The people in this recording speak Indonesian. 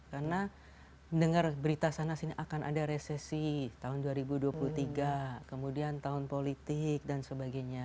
karena mendengar berita sana sini akan ada resesi tahun dua ribu dua puluh tiga kemudian tahun politik dan sebagainya